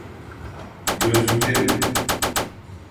Gözlüklerim…